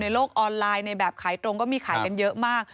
โลกออนไลน์ในแบบขายตรงก็มีขายกันเยอะมาก